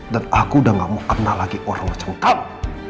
dan aku udah gak mau kenal lagi orang macam kamu